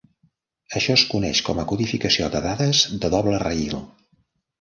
Això es coneix com a codificació de dades de doble rail.